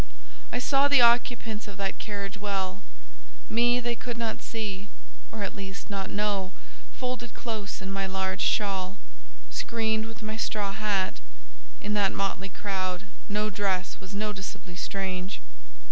I saw the occupants of that carriage well: me they could not see, or, at least, not know, folded close in my large shawl, screened with my straw hat (in that motley crowd no dress was noticeably strange).